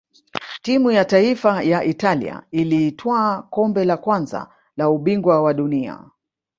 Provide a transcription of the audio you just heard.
timu ya taifa ya italia ilitwaa kombe la kwanza la ubingwa wa dunia